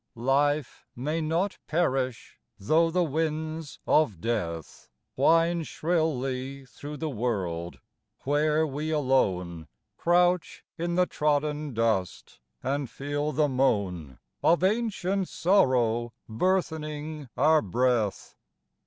LIFE may not perish though the winds of death Whine shrilly through the world, where we alone Crouch in the trodden dust, and feel the moan Of ancient sorrow burthening our breath.